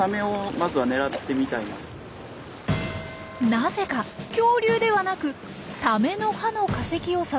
なぜか恐竜ではなくサメの歯の化石を探し始めました。